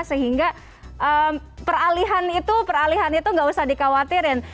sehingga peralihan itu peralihan itu tidak usah dikhawatirkan